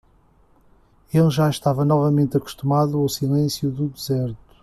Ele já estava novamente acostumado ao silêncio do deserto.